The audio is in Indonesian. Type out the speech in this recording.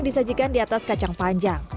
disajikan di atas kacang panjang